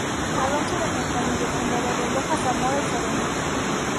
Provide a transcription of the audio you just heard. Alonso de Mercadillo, fundador de Loja, Zamora y Zaruma.